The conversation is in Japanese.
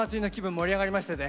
盛り上がりましてね